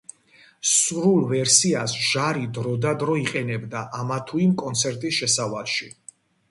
სრულ ვერსიას ჟარი დრო და დრო იყენებდა ამა თუ იმ კონცერტის შესავალში.